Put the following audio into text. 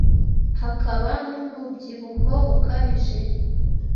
hakaba n'umubyibuho ukabije